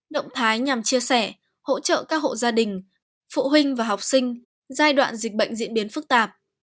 động thái nhằm chia sẻ hỗ trợ các hộ gia đình phụ huynh và học sinh giai đoạn dịch bệnh diễn biến phức tạp